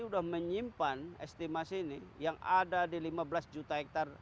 sudah menyimpan estimasi ini yang ada di lima belas juta hektare